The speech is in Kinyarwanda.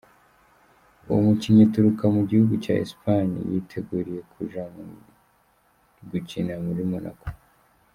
Uwo mukinyi aturuka mu gihugu ca Espagne yiteguriye kuja gukina muri Monaco.